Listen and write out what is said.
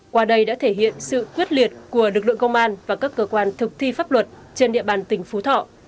qua đây đã thể hiện sự quyết liệt của lực lượng công an và các cơ quan thực thi pháp luật trên địa bàn tỉnh phú thọ